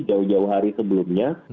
jauh jauh hari sebelumnya